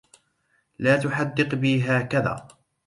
لا تحدّق بي هكذا!